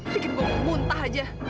bikin gue muntah aja